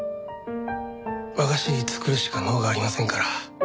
和菓子作るしか能がありませんから。